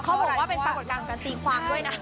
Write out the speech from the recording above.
เขาบอกว่าเป็นปรากฏการณ์ของการตีความด้วยนะ